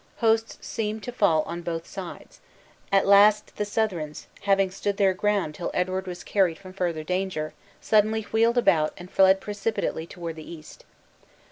Hosts seemed to fall on both sides; at last the Southrons (having stood their ground till Edward was carried from further danger) suddenly wheeled about and fled precipitately toward the east.